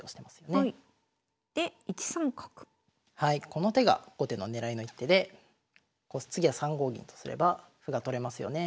この手が後手の狙いの一手で次は３五銀とすれば歩が取れますよね。